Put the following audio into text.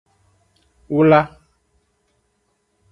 Wla.